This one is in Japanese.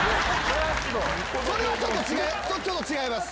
それはちょっと違います。